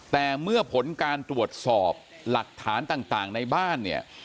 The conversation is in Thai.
แต่เมื่อผลการตรวจสอบหลักฐานต่างในบ้านเนี่ย